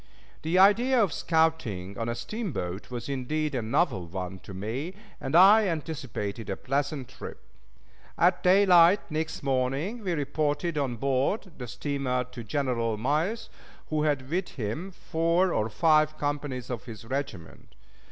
The idea of scouting on a steamboat was indeed a novel one to me, and I anticipated a pleasant trip. At daylight next morning we reported on board the steamer to General Miles, who had with him four or five companies of his regiment.